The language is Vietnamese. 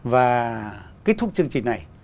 và kết thúc chương trình này